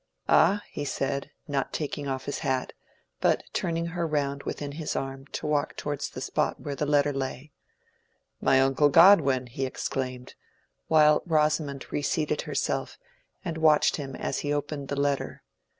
"Ah?" he said, not taking off his hat, but just turning her round within his arm to walk towards the spot where the letter lay. "My uncle Godwin!" he exclaimed, while Rosamond reseated herself, and watched him as he opened the letter.